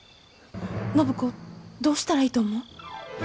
暢子どうしたらいいと思う？